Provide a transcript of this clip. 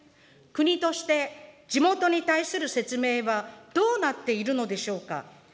国として地元に対する説明はどうなっているのでしょうか。